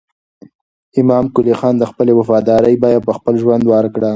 امام قلي خان د خپلې وفادارۍ بیه په خپل ژوند ورکړه.